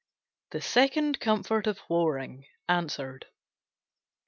_The Second Comfort of Whoring, Answer'd.